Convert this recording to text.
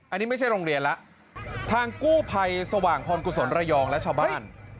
อันนี้ไม่ใช่โรงเรียนแล้วทางกู้ภัยสว่างพรกุศลระยองและชาวบ้าน